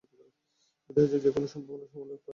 বিদ্রোহের যে কোনও সম্ভাবনা সমূলে উৎপাটিত করব!